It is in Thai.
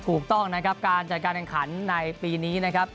ถูกต้องนะครับการจัดการแข่งขันในปีนี้นะครับ